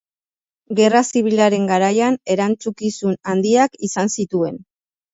Gerra Zibilaren garaian erantzukizun handiak izan zituen.